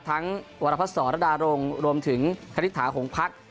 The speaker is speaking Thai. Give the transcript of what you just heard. ทั้งวรพสรรดารงค์รวมถึงคลิกฐาหงภักดิ์